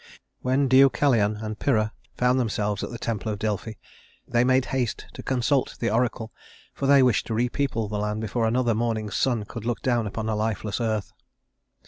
When Deucalion and Pyrrha found themselves at the temple of Delphi, they made haste to consult the oracle, for they wished to repeople the land before another morning's sun could look down upon a lifeless earth.